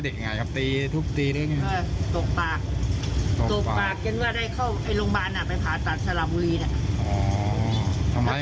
เห็นไหมว่าใช้หินใช้ได้ทุกข์ด้วย